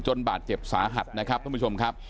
บาดเจ็บสาหัสนะครับท่านผู้ชมครับ